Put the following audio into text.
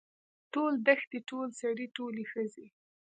ټولې دښتې ټول سړي ټولې ښځې.